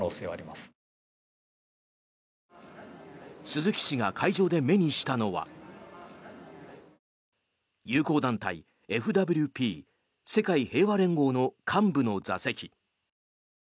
鈴木氏が会場で目にしたのは友好団体ＦＷＰ・世界平和連合の幹部の座席。